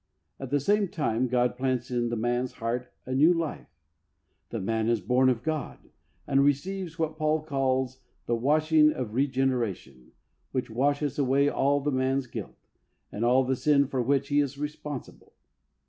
At the same time God plants in the man's heart a new life. The man is born of God, and receives what Paul calls the washing of regeneration, which washes away all the man's guilt, and all the sin for which he is responsible.